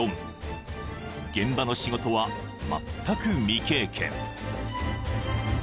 ［現場の仕事はまったく未経験］